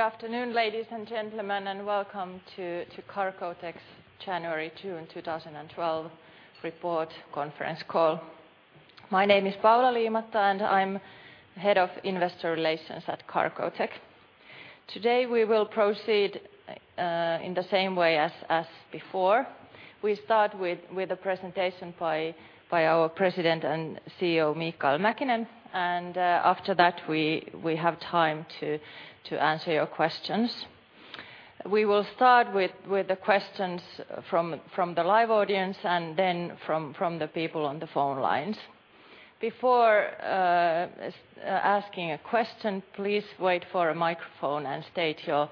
Good afternoon, ladies and gentlemen, and welcome to Cargotec's January June 2012 report conference call. My name is Paula Liimatta, and I'm Head of Investor Relations at Cargotec. Today, we will proceed in the same way as before. We start with a presentation by our President and CEO, Mikael Mäkinen. After that, we have time to answer your questions. We will start with the questions from the live audience and then from the people on the phone lines. Before asking a question, please wait for a microphone and state your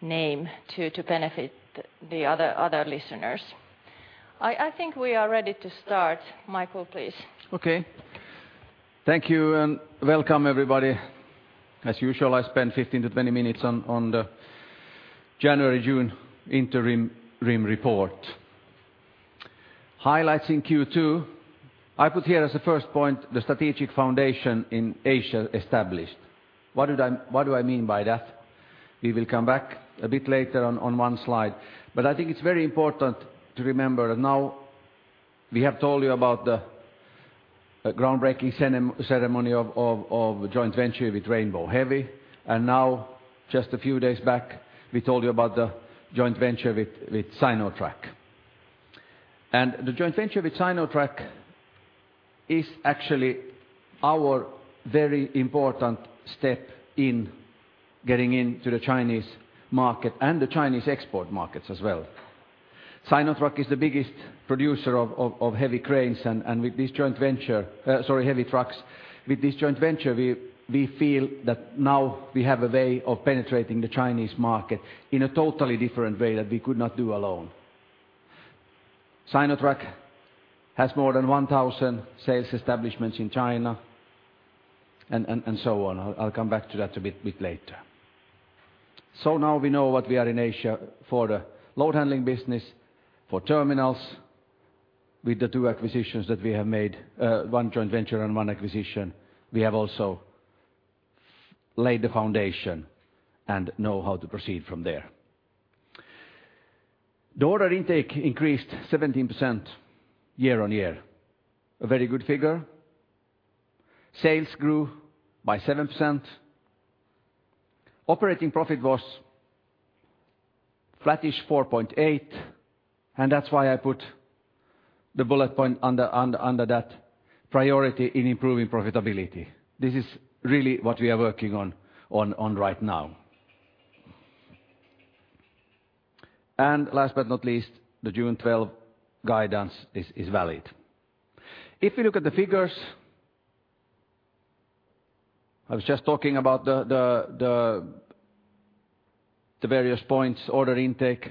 name to benefit the other listeners. I think we are ready to start. Mikael, please. Okay. Thank you, welcome everybody. As usual, I spend 15-20 minutes on the January-June interim report. Highlights in Q2, I put here as a first point, the strategic foundation in Asia established. What do I mean by that? We will come back a bit later on one slide. I think it's very important to remember now we have told you about the groundbreaking ceremony of joint venture with Rainbow Heavy. Now, just a few days back, we told you about the joint venture with Sinotruk. The joint venture with Sinotruk is actually our very important step in getting into the Chinese market and the Chinese export markets as well. Sinotruk is the biggest producer of heavy cranes, and with this joint venture, sorry, heavy trucks. With this joint venture, we feel that now we have a way of penetrating the Chinese market in a totally different way that we could not do alone. Sinotruk has more than 1,000 sales establishments in China and so on. I'll come back to that a bit later. Now we know what we are in Asia for the load handling business, for terminals. With the two acquisitions that we have made, one joint venture and one acquisition, we have also laid the foundation and know how to proceed from there. The order intake increased 17% year-over-year, a very good figure. Sales grew by 7%. Operating profit was flattish 4.8%, and that's why I put the bullet point under that priority in improving profitability. This is really what we are working on right now. Last but not least, the June 12 guidance is valid. If you look at the figures... I was just talking about the various points, order intake,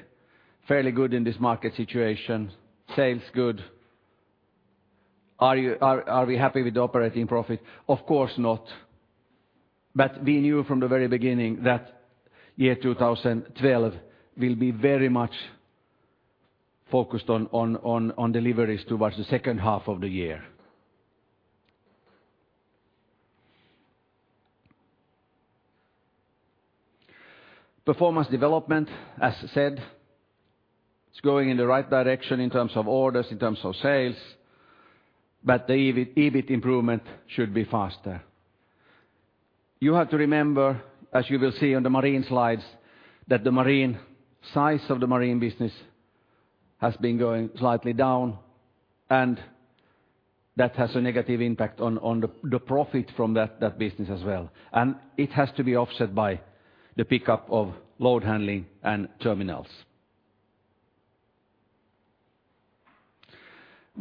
fairly good in this market situation. Sales good. Are we happy with the operating profit? Of course not. We knew from the very beginning that year 2012 will be very much focused on deliveries towards the second half of the year. Performance development, as said, it's going in the right direction in terms of orders in terms of sales, but the EBIT improvement should be faster. You have to remember, as you will see on the marine slides, that the marine size of the marine business has been going slightly down, and that has a negative impact on the profit from that business as well. It has to be offset by the pickup of load handling and terminals.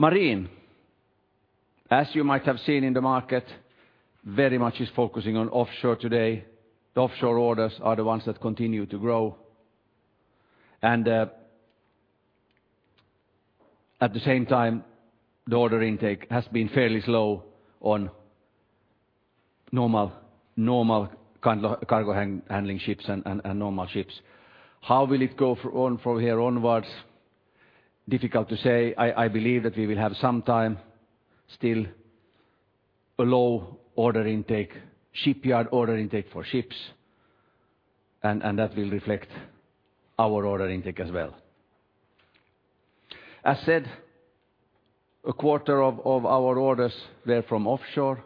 Marine, as you might have seen in the market, very much is focusing on offshore today. The offshore orders are the ones that continue to grow. At the same time, the order intake has been fairly slow on normal cargo handling ships and normal ships. How will it go on from here onwards? Difficult to say. I believe that we will have some time, still a low order intake, shipyard order intake for ships, and that will reflect our order intake as well. As said, a quarter of our orders they're from offshore.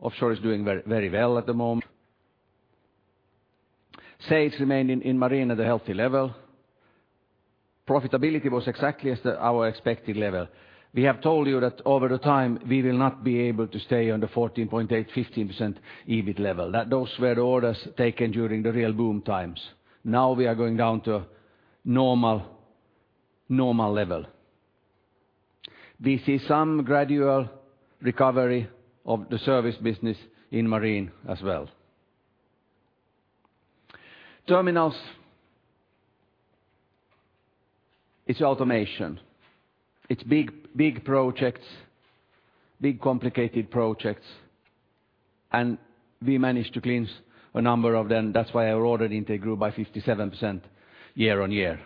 Offshore is doing very, very well at the moment. Sales remained in marine at a healthy level. Profitability was exactly as our expected level. We have told you that over the time, we will not be able to stay on the 14.8, 15% EBIT level. That those were the orders taken during the real boom times. Now, we are going down to normal level. We see some gradual recovery of the service business in marine as well. Terminals. It's automation. It's big, big projects, big complicated projects, and we managed to cleanse a number of them. That's why our order intake grew by 57% year-over-year,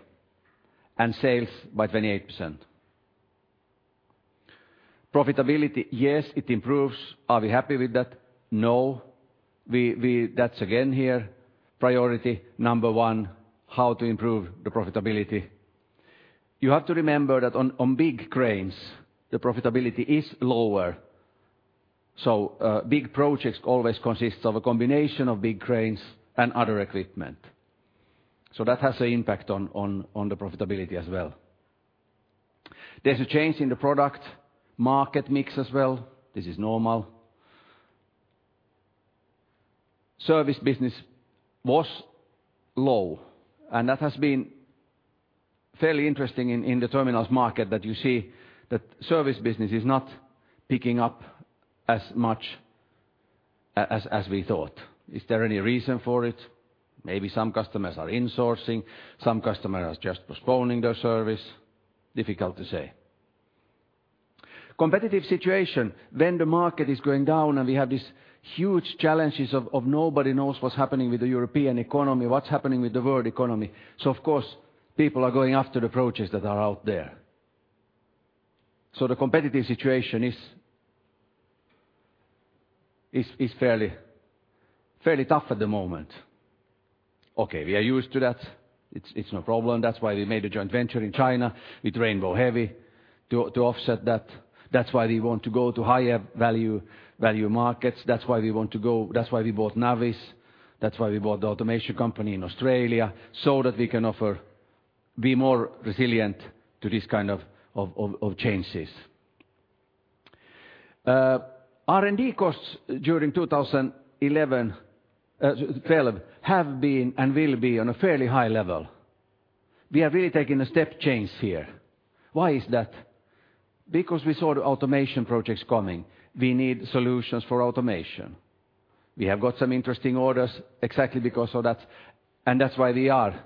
and sales by 28%. Profitability, yes, it improves. Are we happy with that? No. That's again, here, priority number one, how to improve the profitability. You have to remember that on big cranes, the profitability is lower. Big projects always consists of a combination of big cranes and other equipment. That has an impact on the profitability as well. There's a change in the product market mix as well. This is normal. Service business was low, that has been fairly interesting in the terminals market that you see that service business is not picking up as much as we thought. Is there any reason for it? Maybe some customers are insourcing, some customers just postponing their service. Difficult to say. Competitive situation. When the market is going down, and we have these huge challenges, of nobody knows what's happening with the European economy, what's happening with the world economy. Of course, people are going a,fter the projects that are out there. The competitive situation is fairly tough at the moment. Okay. We are used to that. It's no problem. That's why we made a joint venture in China with Rainbow Heavy to offset that. That's why we want to go to higher value markets. That's why we bought Navis. That's why we bought the automation company in Australia, so that we can be more resilient to this kind of changes. R&D costs during 2011, 2012 have been and will be on a fairly high level. We are really taking a step change here. Why is that? We saw the automation projects coming. We need solutions for automation. We have got some interesting orders exactly because of that's why we are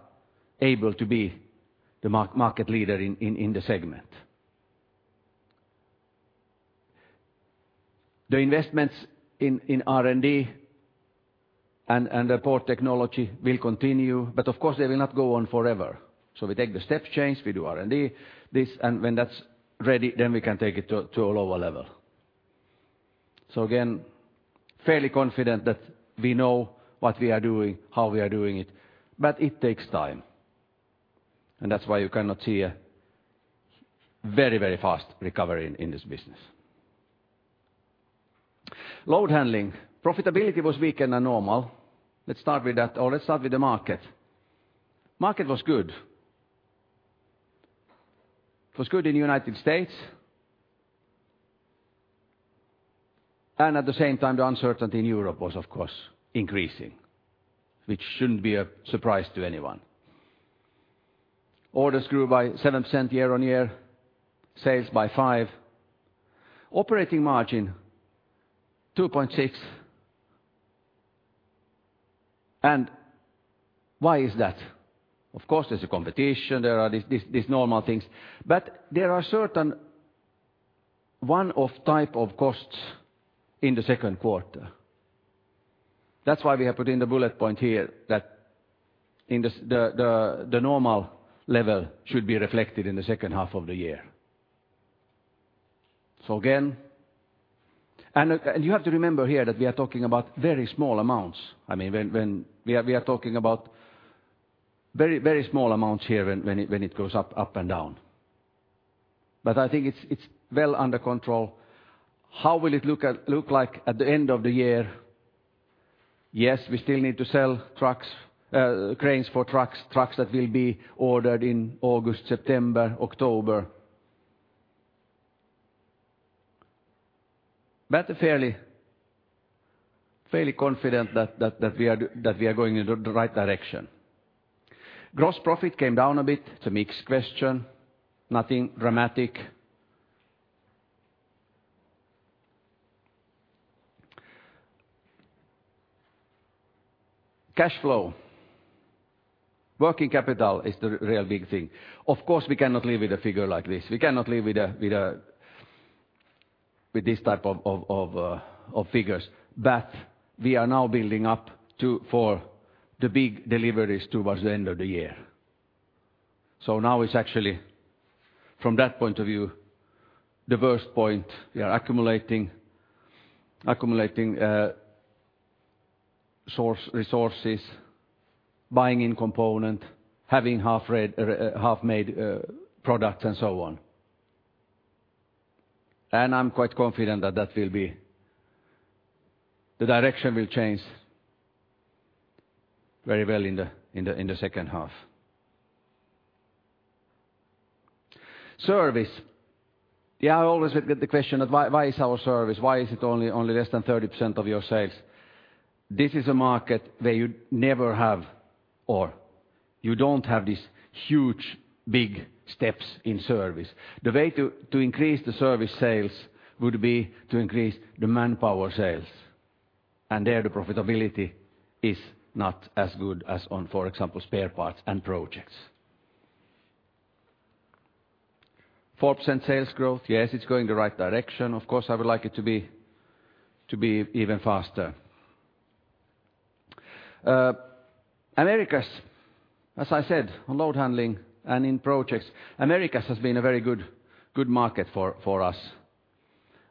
able to be the market leader in the segment. The investments in R&D and the port technology will continue, of course, they will not go on forever. We take the step change, we do R&D, when that's ready, we can take it to a lower level. Again, fairly confident that we know what we are doing, how we are doing it takes time. That's why you cannot see a very fast recovery in this business. Load handling. Profitability was weaker than normal. Let's start with that, let's start with the market. Market was good. It was good in the United States. At the same time, the uncertainty in Europe was, of course, increasing, which shouldn't be a surprise to anyone. Orders grew by 7% year-over-year, sales by 5%. Operating margin, 2.6%. Why is that? Of course, there's a competition. There are these normal things. There are certain one-off type of costs in the second quarter. That's why we have put in the bullet point here that in this the normal level should be reflected in the second half of the year. Again. You have to remember here that we are talking about very small amounts. I mean, when we are talking about very small amounts here when it goes up and down. I think it's well under control. How will it look like at the end of the year? We still need to sell trucks, cranes for trucks that will be ordered in August, September, October. Fairly confident that we are going in the right direction. Gross profit came down a bit. It's a mixed question. Nothing dramatic. Cash flow. Working capital is the real big thing. Of course, we cannot live with a figure like this. We cannot live with this type of figures. We are now building up for the big deliveries towards the end of the year. Now, it's actually, from that point of view, the worst point. We are accumulating source resources, buying in component, having half-rate, half-made products and so on. I'm quite confident that the direction will change very well in the second half. Service. Yeah, I always get the question of why is our service, why is it only less than 30% of your sales? This is a market where you never have or you don't have these huge, big steps in service. The way to increase the service sales would be to increase the manpower sales. There, the profitability is not as good as on, for example, spare parts and projects. 4% sales growth, yes, it's going the right direction. Of course, I would like it to be even faster. Americas, as I said, on load handling and in projects, Americas has been a very good market for us.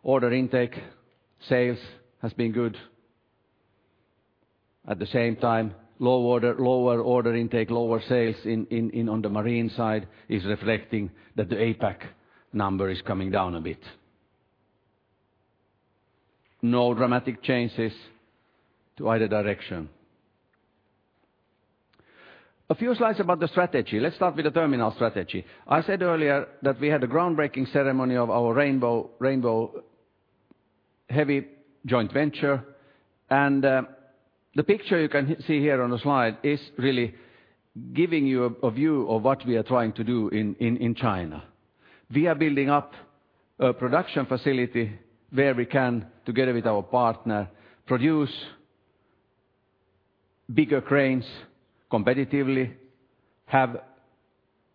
Order intake, sales has been good. At the same time, lower order intake, lower sales in on the marine side is reflecting that the APAC number is coming down a bit. No dramatic changes to either direction. A few slides about the strategy. Let's start with the terminal strategy. I said earlier that we had a groundbreaking ceremony of our Rainbow Heavy joint venture. The picture you can see here on the slide is really giving you a view of what we are trying to do in China. We are building up a production facility where we can, together with our partner, produce bigger cranes competitively,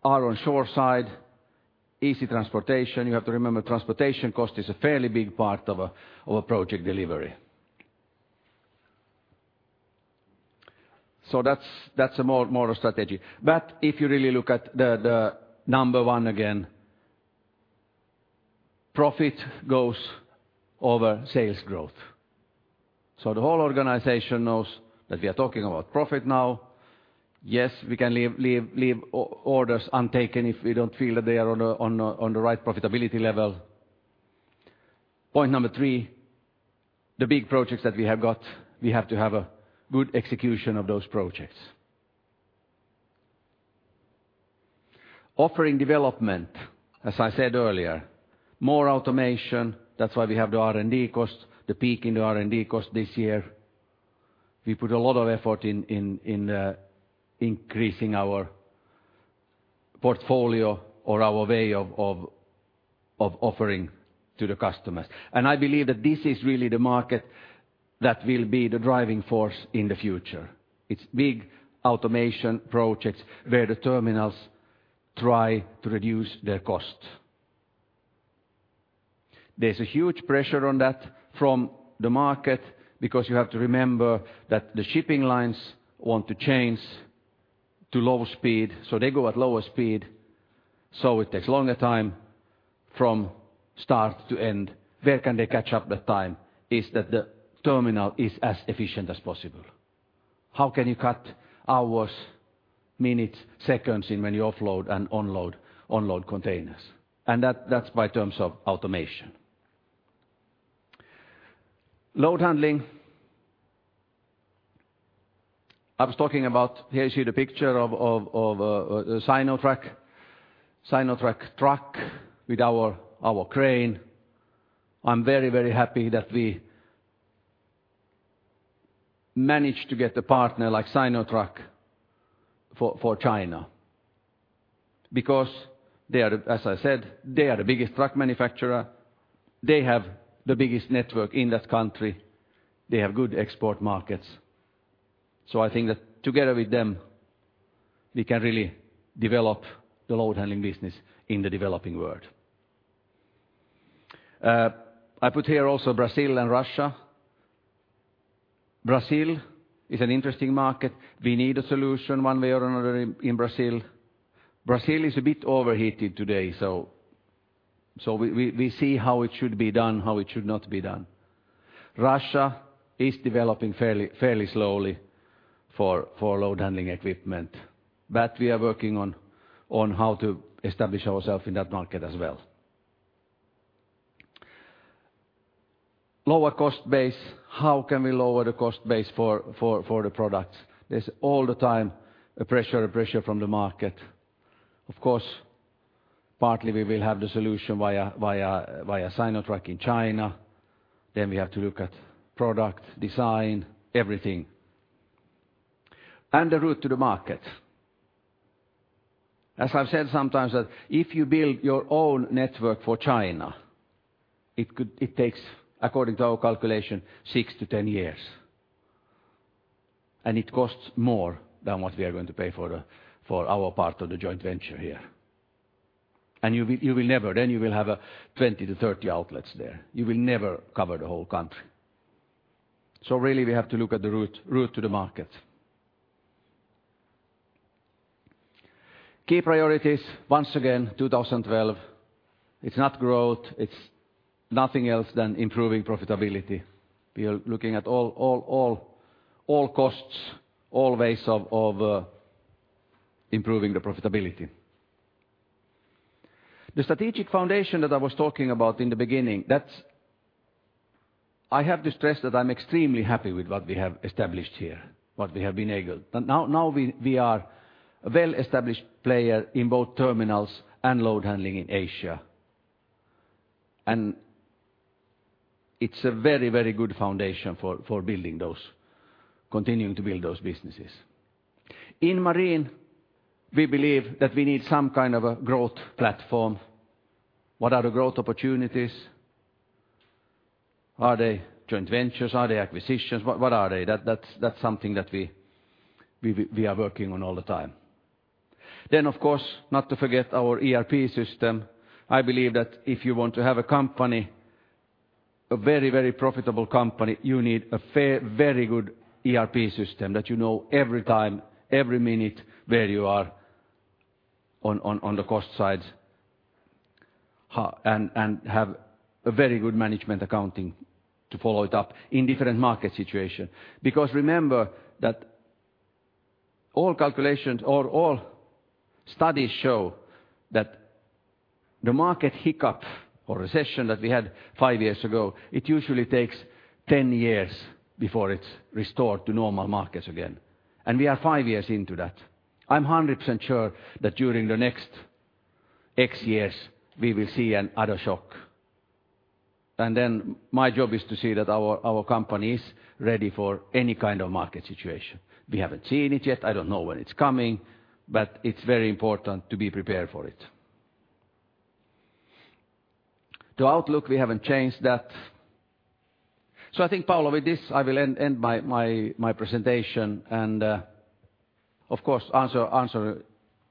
Are on shoreside, easy transportation. You have to remember, transportation cost is a fairly big part of a project delivery. That's a more strategy. If you really look at the number one again, profit goes over sales growth. The whole organization knows that we are talking about profit now. Yes, we can leave orders untaken if we don't feel that they are on the right profitability level. Point number three, the big projects that we have got, we have to have a good execution of those projects. Offering development, as I said earlier, more automation, that's why we have the R&D cost, the peak in the R&D cost this year. We put a lot of effort in increasing our portfolio or our way of offering to the customers. I believe that this is really the market that will be the driving force in the future. It's big automation projects where the terminals try to reduce their cost. There's a huge pressure on that from the market because you have to remember that the shipping lines want to change to low speed. They go at lower speed, it takes longer time from start to end. Where can they catch up the time is that the terminal is as efficient as possible. How can you cut hours, minutes, seconds in when you offload and unload containers? That's by terms of automation. Load handling. I was talking about, here you see the picture of Sinotruk. Sinotruk truck with our crane. I'm very happy that we managed to get a partner like Sinotruk for China because they are, as I said, they are the biggest truck manufacturer. They have the biggest network in that country. They have good export markets. I think that together with them, we can really develop the load handling business in the developing world. I put here also Brazil and Russia. Brazil is an interesting market. We need a solution one way or another in Brazil. Brazil is a bit overheated today, so we see how it should be done, how it should not be done. Russia is developing fairly slowly for load handling equipment. We are working on how to establish ourselves in that market as well. Lower cost base. How can we lower the cost base for the products? There's all the time a pressure from the market. Of course, partly we will have the solution via Sinotruk in China. We have to look at product design, everything. The route to the market. As I've said sometimes that if you build your own network for China, it takes, according to our calculation, six to 10 years. It costs more than what we are going to pay for the, for our part of the joint venture here. You will never. You will have 20-30 outlets there. You will never cover the whole country. Really, we have to look at the route to the market. Key priorities, once again, 2012. It's not growth. It's nothing else than improving profitability. We are looking at all costs, all ways of improving the profitability. The strategic foundation that I was talking about in the beginning, that's. I have to stress that I'm extremely happy with what we have established here, what we have enabled. Now we are a well-established player in both terminals and load handling in Asia. It's a very, very good foundation for continuing to build those businesses. In marine, we believe that we need some kind of a growth platform. What are the growth opportunities? Are they joint ventures? Are they acquisitions? What are they? That's something that we are working on all the time. Of course, not to forget our ERP system. I believe that if you want to have a company, a very, very profitable company, you need a fair, very good ERP system that you know every time, every minute where you are on the cost sides. And have a very good management accounting to follow it up in different market situation. Remember that all calculations or all studies show that the market hiccup or recession that we had five years ago, it usually takes 10 years before it's restored to normal markets again. We are five years into that. I'm 100% sure that during the next X years, we will see another shock. My job is to see that our company is ready for any kind of market situation. We haven't seen it yet. I don't know when it's coming, but it's very important to be prepared for it. The outlook, we haven't changed that. I think, Paula, with this, I will end my presentation and, of course, answer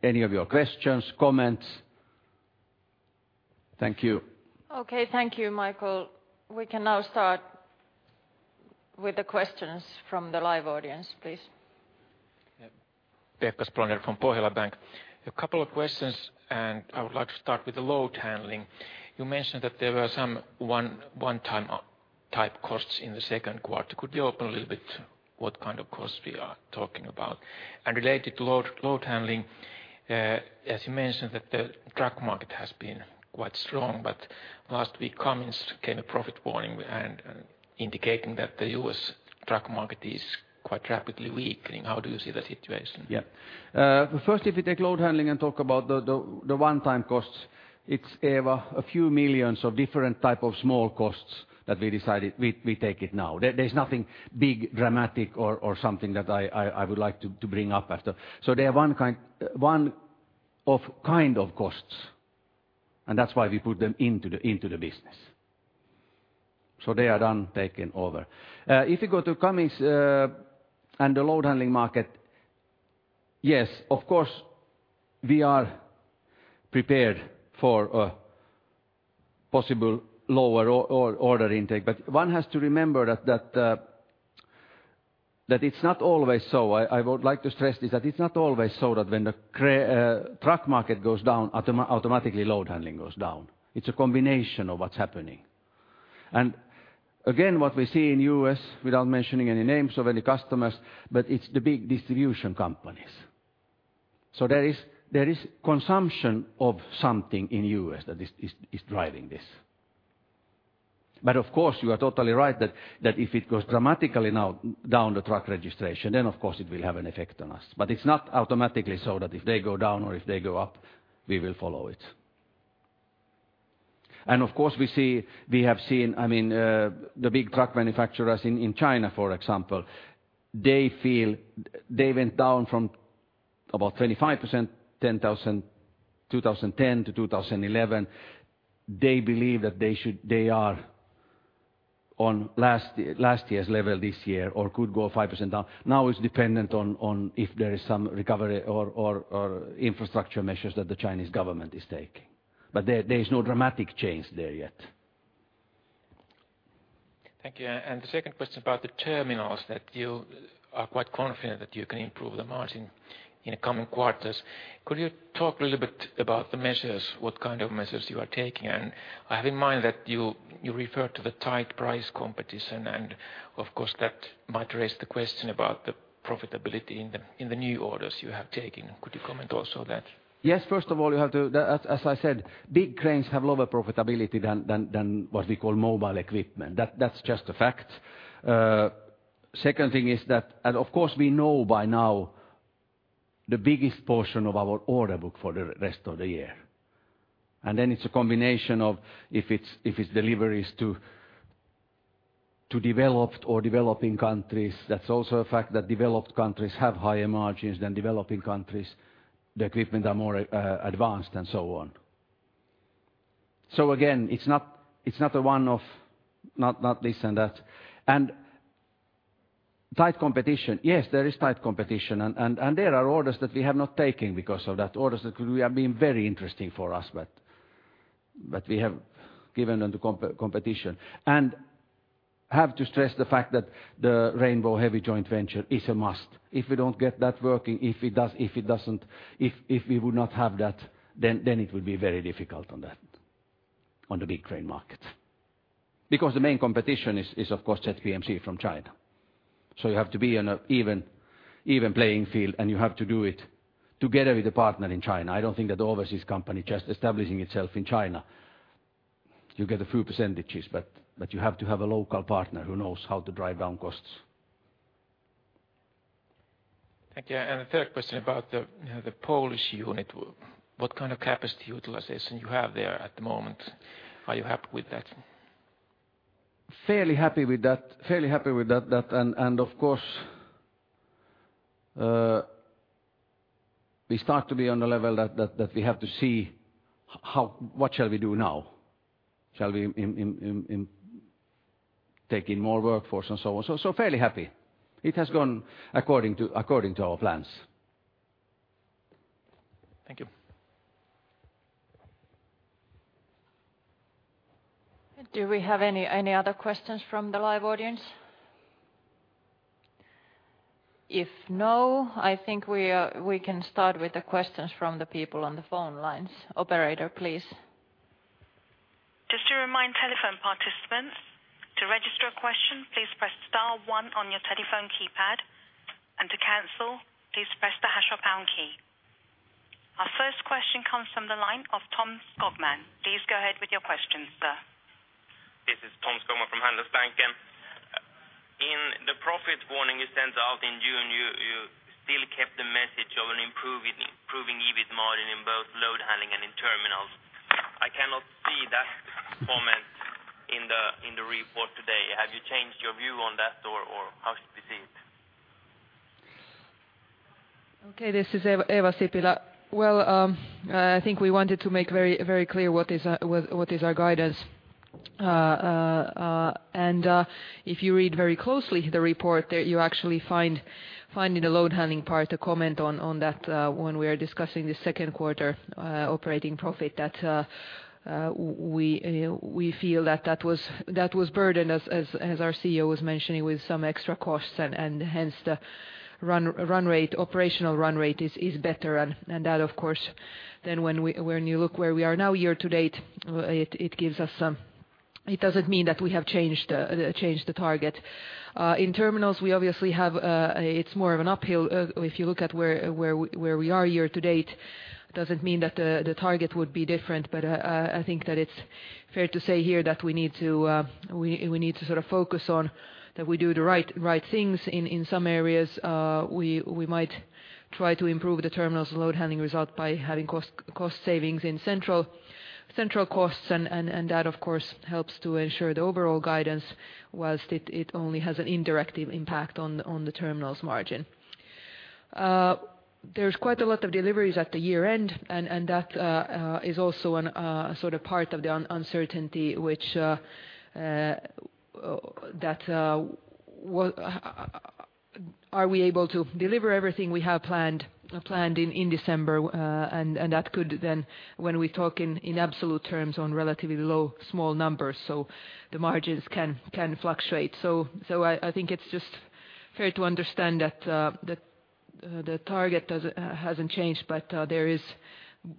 any of your questions, comments. Thank you. Okay. Thank you, Mikael. We can now start with the questions from the live audience, please. Yeah. Pekka Spolander from Pohjola Bank. A couple of questions. I would like to start with the load handling. You mentioned that there were some one-time type costs in the second quarter. Could you open a little bit what kind of costs we are talking about? Related to load handling, as you mentioned that the truck market has been quite strong. Last week, Cummins came a profit warning and indicating that the U.S. truck market is quite rapidly weakening. How do you see that situation? First, if you take load handling and talk about the one-time costs, it's a few millions of different type of small costs that we decided we take it now. There's nothing big, dramatic or something that I would like to bring up as the. They are one of kind of costs, and that's why we put them into the business. They are done, taken over. If you go to Cummins and the load handling market, yes, of course, we are prepared for a possible lower order intake. One has to remember that it's not always so. I would like to stress this, that it's not always so that when the truck market goes down, automatically load handling goes down. It's a combination of what's happening. Again, what we see in U.S., without mentioning any names of any customers, it's the big distribution companies. There is consumption of something in U.S. that is driving this. Of course, you are totally right that if it goes dramatically now down the truck registration, of course it will have an effect on us. It's not automatically so that if they go down or if they go up, we will follow it. Of course, we have seen, I mean, the big truck manufacturers in China, for example, they feel they went down from about 25%, 10,000, 2010 to 2011. They believe that they are on last year's level this year or could go 5% down. Now it's dependent on if there is some recovery or infrastructure measures that the Chinese government is taking. There is no dramatic change there yet. Thank you. The second question about the terminals that you are quite confident that you can improve the margin in coming quarters. Could you talk a little bit about the measures, what kind of measures you are taking? I have in mind that you refer to the tight price competition, and of course, that might raise the question about the profitability in the new orders you have taken. Could you comment also that? Yes. First of all, as I said, big cranes have lower profitability than what we call mobile equipment. That's just a fact. Second thing is that, of course, we know by now the biggest portion of our order book for the rest of the year. It's a combination of if it's deliveries to developed or developing countries. That's also a fact that developed countries have higher margins than developing countries. The equipment are more advanced and so on. Again, it's not a one of not this and that. Tight competition, yes, there is tight competition, and there are orders that we have not taken because of that. Orders that could have been very interesting for us, but we have given them to competition. Have to stress the fact that the Rainbow Heavy joint venture is a must. If we don't get that working, if we would not have that, then it will be very difficult on the big crane market. The main competition is of course ZPMC from China. You have to be on an even playing field, and you have to do it together with a partner in China. I don't think that overseas company just establishing itself in China, you get a few percentage, but you have to have a local partner who knows how to drive down costs. Thank you. The third question about the Polish unit. What kind of capacity utilization you have there at the moment? Are you happy with that? Fairly happy with that. Fairly happy with that. That, and of course, we start to be on a level that we have to see what shall we do now. Shall we take in more workforce and so on? Fairly happy. It has gone according to our plans. Thank you. Do we have any other questions from the live audience? If no, I think we can start with the questions from the people on the phone lines. Operator, please. Just to remind telephone participants, to register a question, please press star 1 on your telephone keypad, and to cancel, please press the hash or pound key. Our first question comes from the line of Tom Skogman. Please go ahead with your question, sir. This is Tom Skogman from Handelsbanken. In the profit warning you sent out in June, you still kept the message of an improving EBIT margin in both load handling and in terminals. I cannot see that comment in the report today. Have you changed your view on that or how should we see it? This is Eeva Sipilä. I think we wanted to make very, very clear what is our guidance. If you read very closely the report that you actually find in the load handling part a comment on that, when we are discussing the second quarter operating profit that we feel that that was, that was burdened as our CEO was mentioning, with some extra costs and hence the run rate, operational run rate is better. That of course then when you look where we are now year to date, it gives us some... It doesn't mean that we have changed the target. In terminals, we obviously have, it's more of an uphill. If you look at where we are year to date, doesn't mean that the target would be different. I think that it's fair to say here that we need to sort of focus on that we do the right things. In some areas, we might try to improve the terminals load handling result by having cost savings in central costs. That of course helps to ensure the overall guidance whilst it only has an indirect impact on the terminals margin. There's quite a lot of deliveries at the year-end, and that is also a sort of part of the uncertainty which that are we able to deliver everything we have planned in December? That could then when we talk in absolute terms on relatively low small numbers, so the margins can fluctuate. I think it's just fair to understand that the target hasn't changed, but there is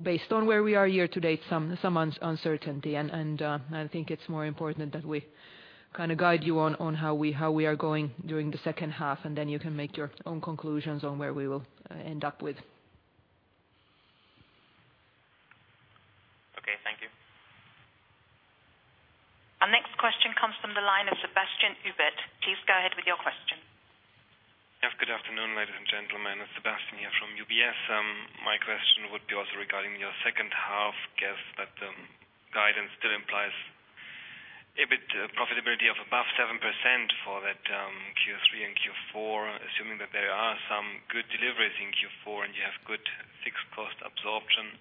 based on where we are year to date, some uncertainty. I think it's more important that we kind of guide you on how we are going during the second half, and then you can make your own conclusions on where we will end up with. Okay. Thank you. Our next question comes from the line of Sebastian Ubert. Please go ahead with your question. Yes. Good afternoon, ladies and gentlemen, it's Sebastian here from UBS. My question would be also regarding your second half guess that guidance still implies a bit profitability of above 7% for that Q3 and Q4, assuming that there are some good deliveries in Q4 and you have good fixed cost absorption.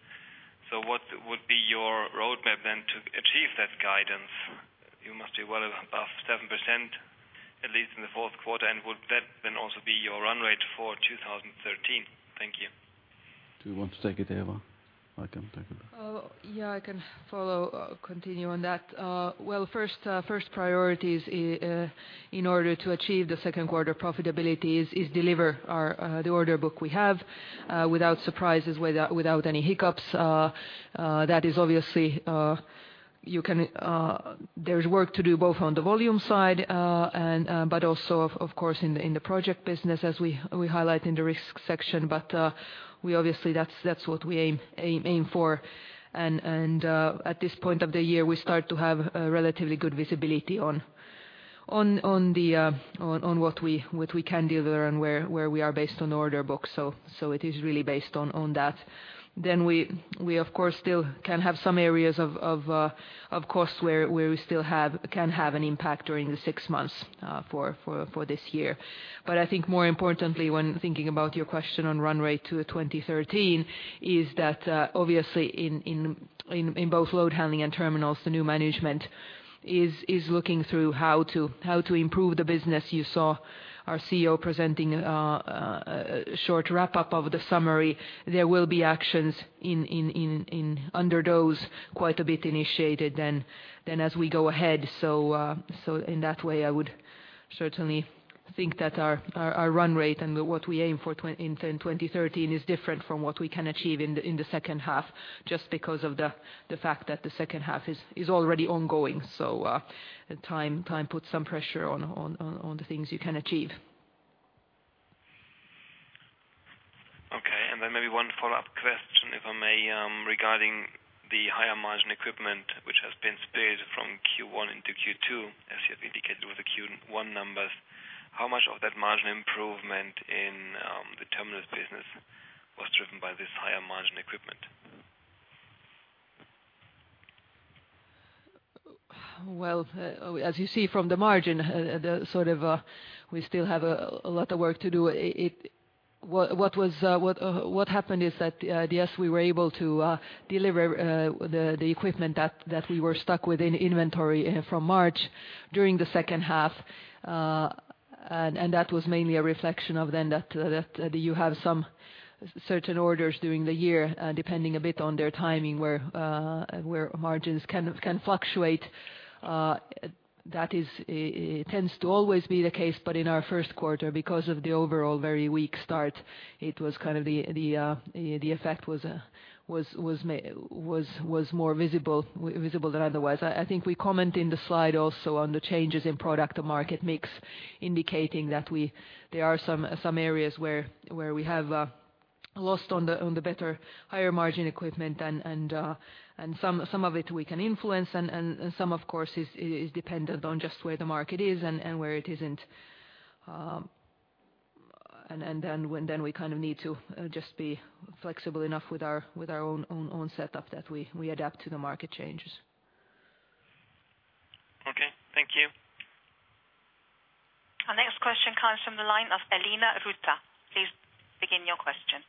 What would be your roadmap then to achieve that guidance? You must be well above 7%, at least in the fourth quarter. Would that then also be your run rate for 2013? Thank you. Do you want to take it, Eeva? I can take it. Yeah, I can follow, continue on that. Well, first priorities in order to achieve the second quarter profitability is deliver our the order book we have without surprises, without any hiccups. That is obviously, you can. There's work to do both on the volume side and, but also of course in the project business as we highlight in the risk section. We obviously that's what we aim for. At this point of the year, we start to have a relatively good visibility on the on what we can deliver and where we are based on order book. It is really based on that. We of course still can have some areas of course, where we still can have an impact during the six months for this year. I think more importantly when thinking about your question on run rate to 2013 is that obviously in both load handling and terminals, the new management is looking through how to improve the business. You saw our CEO presenting a short wrap up of the summary. There will be actions in under those quite a bit initiated then as we go ahead. In that way, I would certainly think that our run rate and what we aim for in 2013 is different from what we can achieve in the second half, just because of the fact that the second half is already ongoing. Time puts some pressure on the things you can achieve. Okay. Maybe one follow-up question, if I may, regarding the higher margin equipment which has been spilled from Q1 into Q2, as you have indicated with the Q1 numbers. How much of that margin improvement in the terminals business was driven by this higher margin equipment? Well, as you see from the margin, the sort of, we still have a lot of work to do. What happened is that, yes, we were able to deliver the equipment that we were stuck with in inventory from March during the second half. That was mainly a reflection of then that, you have some certain orders during the year, depending a bit on their timing where margins can fluctuate. It tends to always be the case, but in our first quarter, because of the overall very weak start, it was kind of the effect was more visible than otherwise. I think we comment in the slide also on the changes in product to market mix, indicating that there are some areas where we have lost on the better higher margin equipment and some of it we can influence and some of course is dependent on just where the market is and where it isn't. We kind of need to just be flexible enough with our own setup that we adapt to the market changes. Okay. Thank you. Our next question comes from the line of Elina Rantanen. Please begin your question.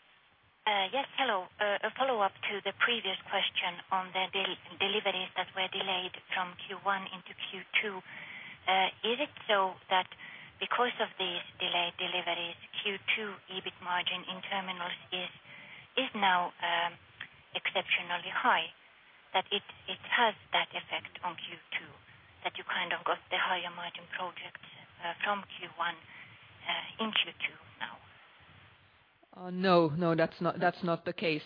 Yes. Hello. A follow-up to the previous question on the deliveries that were delayed from Q1 into Q2. Is it so that because of these delayed deliveries, Q2 EBIT margin in terminals is now exceptionally high? That it has that effect on Q2, that you kind of got the higher margin project from Q1 in Q2 now? No, that's not the case.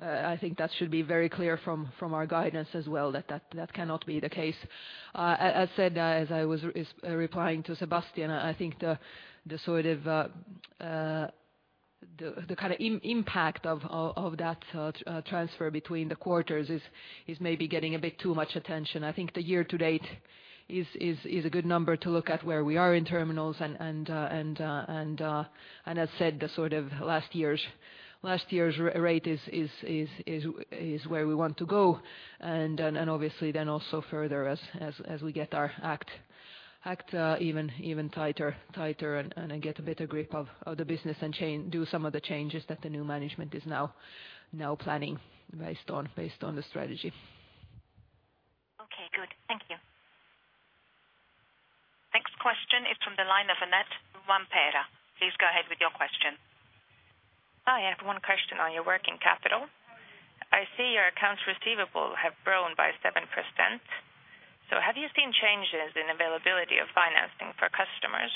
I think that should be very clear from our guidance as well, that cannot be the case. As said, as I was replying to Sebastian, I think the sort of the kind of impact of that transfer between the quarters is maybe getting a bit too much attention. I think the year to date is a good number to look at where we are in terminals and as said, the sort of last year's rate is where we want to go. Obviously then also further as we get our act even tighter and get a better grip of the business do some of the changes that the new management is now planning based on the strategy. Okay, good. Thank you. Next question is from the line of Antti Vamperi. Please go ahead with your question. Hi. I have one question on your working capital. I see your accounts receivable have grown by 7%. Have you seen changes in availability of financing for customers?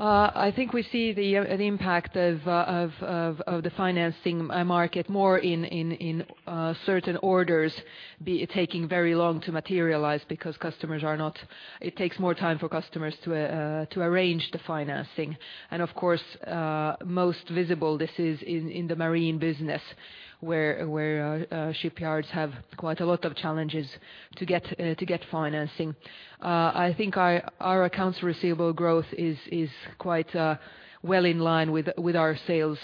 I think we see the, an impact of the financing market more in certain orders be taking very long to materialize because It takes more time for customers to arrange the financing. Of course, most visible this is in the marine business where shipyards have quite a lot of challenges to get financing. I think our accounts receivable growth is quite well in line with our sales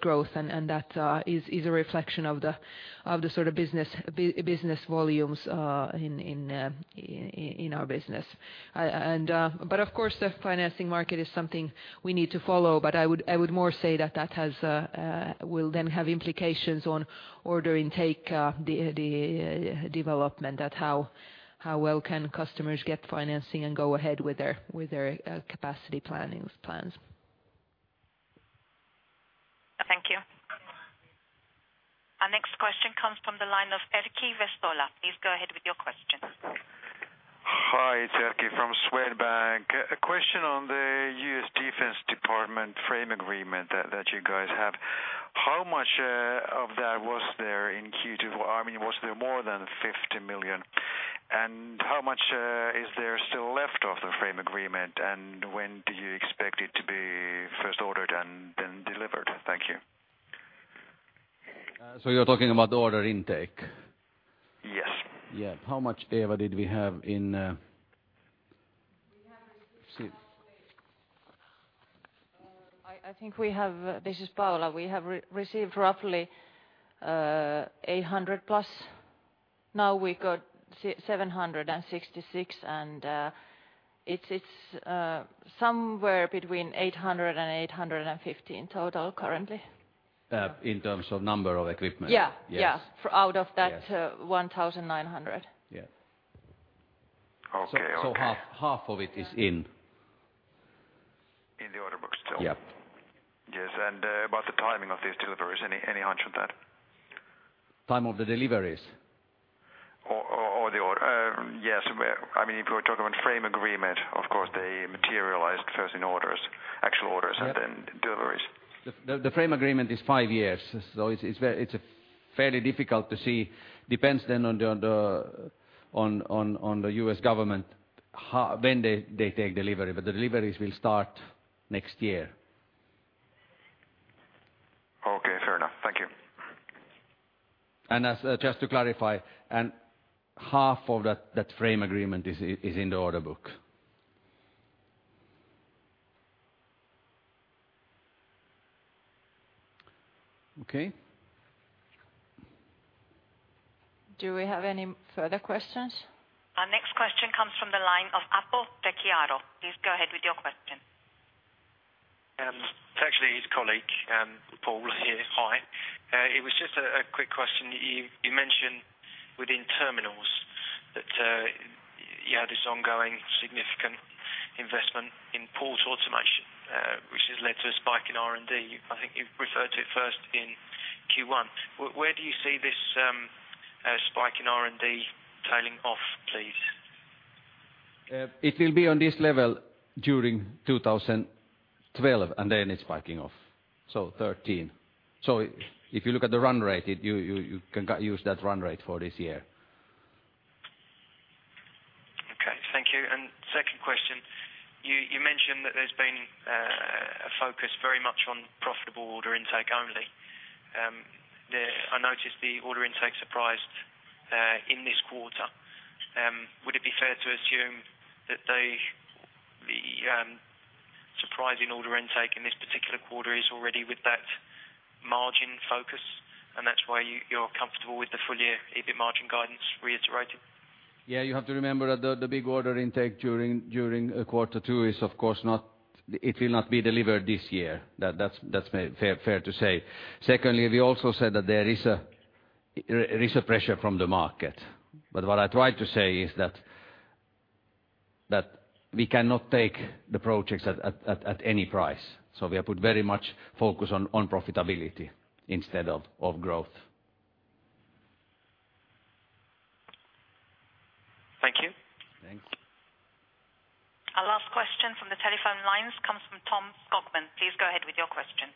growth, and that is a reflection of the sort of business volumes in our business. Of course, the financing market is something we need to follow. I would more say that that has will then have implications on order intake, the development at how well can customers get financing and go ahead with their capacity plannings plans. Thank you. Our next question comes from the line of Erkki Vesola. Please go ahead with your question. Hi, it's Erkki from Swedbank. A question on the U.S. Department of Defense frame agreement that you guys have. How much of that was there in Q2? I mean, was there more than $50 million? How much is there still left of the frame agreement? When do you expect it to be first ordered and then delivered? Thank you. You're talking about order intake? Yes. Yeah. How much, Eeva, did we have in... We have received roughly. I think we have, this is Paula. We have received roughly 800 plus. Now we got 766. It's somewhere between 800 and 815 total currently. In terms of number of equipment Yeah. Yes. 1,900. Yeah. Okay. Okay. Half of it is in. In the order books still? Yeah. Yes. About the timing of these deliveries, any hunch on that? Time of the deliveries? Yes. I mean, if we're talking about frame agreement, of course they materialized first in actual orders. Yeah. Deliveries. The frame agreement is five years. It's fairly difficult to see. Depends then on the U.S. government, how, when they take delivery. The deliveries will start next year. Okay. Fair enough. Thank you. As just to clarify, and half of that frame agreement is in the order book. Okay. Do we have any further questions? Our next question comes from the line of Antti Saro. Please go ahead with your question. Paul here. Hi. It was just a quick question. You mentioned within terminals that, you had this ongoing significant investment in port automation, which has led to a spike in R&D. I think you referred to it first in Q1. Where do you see this spike in R&D tailing off, please? It will be on this level during 2012. It's spiking off. 2013. If you look at the run rate, you can use that run rate for this year. Okay. Thank you. Second question, you mentioned that there's been a focus very much on profitable order intake only. I noticed the order intake surprised in this quarter. Would it be fair to assume that we, surprising order intake in this particular quarter is already with that margin focus, and that's why you're comfortable with the full year EBIT margin guidance reiterating? Yeah, you have to remember that the big order intake during quarter two is of course it will not be delivered this year. That's fair to say. Secondly, we also said that there is a pressure from the market. What I tried to say is that we cannot take the projects at any price. We have put very much focus on profitability instead of growth. Thank you. Thanks. Our last question from the telephone lines comes from Tom Skogman. Please go ahead with your question.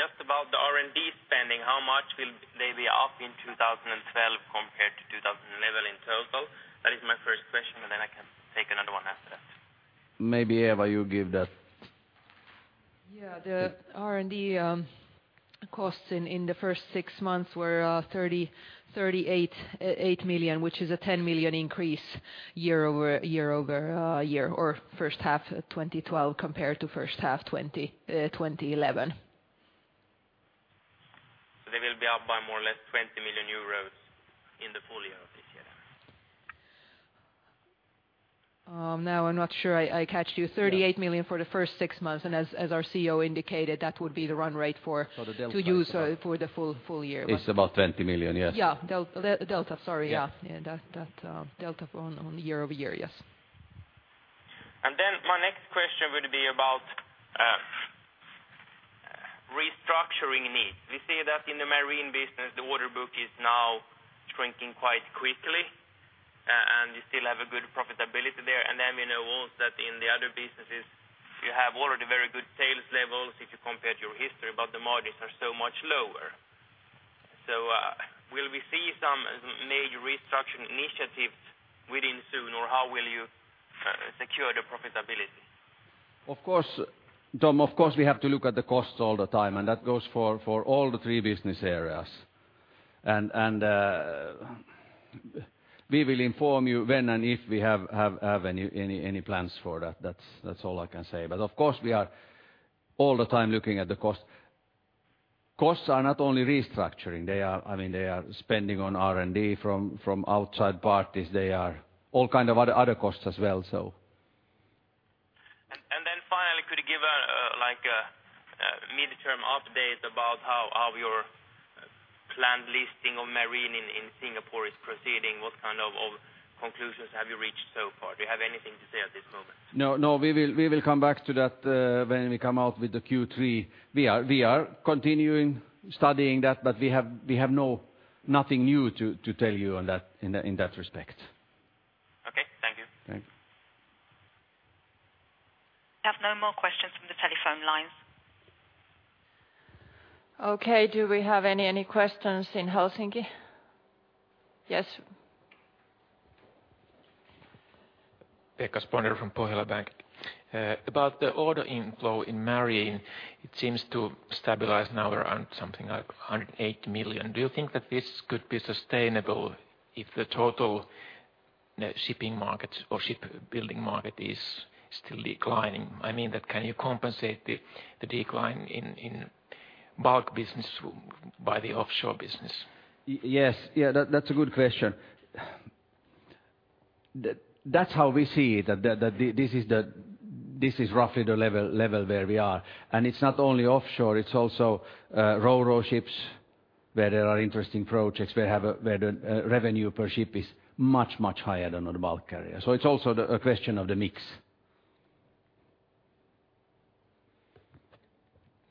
Just about the R&D spending, how much will they be up in 2012 compared to 2011 in total? That is my first question, and then I can take another one after that. Maybe, Eeva, you give that. Yeah. The R&D costs in the first six months were 38 million, which is a 10 million increase year-over-year, or first half of 2012 compared to first half 2011. They will be up by more or less EUR 20 million in the full year of this year? now I'm not sure I caught you. 38 million for the first six months, as our CEO indicated, that would be the run rate. The delta is about. To use for the full year. It's about 20 million, yes. Yeah. Delta. Sorry, yeah. Yeah. Yeah, that delta on year-over-year, yes. My next question would be about restructuring needs. We see that in the marine business, the order book is now shrinking quite quickly and you still have a good profitability there. We know also that in the other businesses you have already very good sales levels if you compare to your history, but the margins are so much lower. Will we see some major restructuring initiatives within soon or how will you secure the profitability? Of course, Tom, of course we have to look at the costs all the time, and that goes for all the three business areas. We will inform you when and if we have any plans for that. That's all I can say. Of course we are all the time looking at the cost. Costs are not only restructuring, they are, I mean, they are spending on R&D from outside parties. They are all kind of other costs as well. Then finally, could you give a like a midterm update about how your planned listing of Marine in Singapore is proceeding? What kind of conclusions have you reached so far? Do you have anything to say at this moment? No, no. We will come back to that when we come out with the Q3. We are continuing studying that. We have nothing new to tell you on that in that respect. Okay. Thank you. Thanks. I have no more questions from the telephone lines. Okay. Do we have any questions in Helsinki? Yes. Pekka Spolander from Pohjola Bank. About the order inflow in marine, it seems to stabilize now around something like 108 million. Do you think that this could be sustainable if the total, shipping markets or ship building market is still declining? I mean that can you compensate the decline in bulk business by the offshore business? Yes. Yeah, that's a good question. That's how we see it, that this is roughly the level where we are. It's not only offshore, it's also RoRo ships where there are interesting projects, where the revenue per ship is much, much higher than on a bulk carrier. It's also a question of the mix.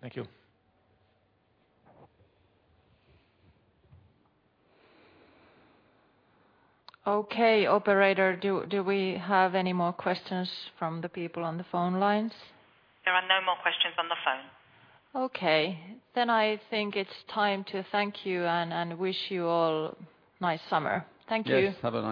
Thank you. Okay. Operator, do we have any more questions from the people on the phone lines? There are no more questions on the phone. Okay. I think it's time to thank you and wish you all nice summer. Thank you. Yes. Have a nice summer.